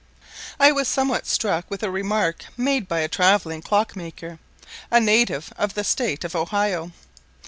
I was somewhat struck with a remark made by a travelling clock maker, a native of the state of Ohio.